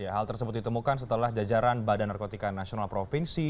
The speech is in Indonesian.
hal tersebut ditemukan setelah jajaran badan narkotika nasional provinsi